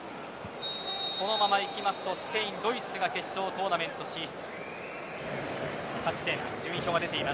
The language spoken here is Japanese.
このままいきますとスペイン、ドイツが決勝トーナメント進出。